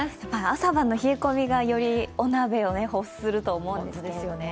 朝晩の冷え込みがよりお鍋を欲すると思うんですよね。